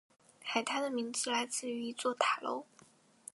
海滩的名字来自于一座塔楼。